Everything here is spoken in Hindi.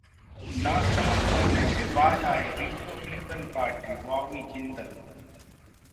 नासमझ बनने से बाज आए रिपब्लिकन पार्टी: बॉबी जिंदल